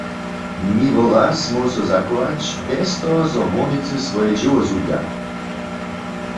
Miłoraz móhł so zachować, bjez toho zo hórnicy swoje dźěło zhubja.